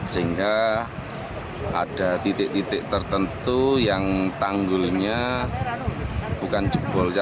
sehingga ada titik titik tertentu yang tanggulnya bukan jebol